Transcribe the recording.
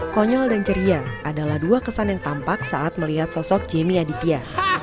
konyol dan ceria adalah dua kesan yang tampak saat melihat sosok jamie aditya